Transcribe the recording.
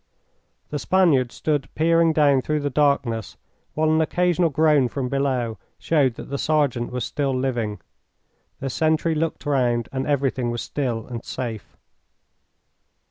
The Spaniard stood peering down through the darkness, while an occasional groan from below showed that the sergeant was still living. The sentry looked round and everything was still and safe.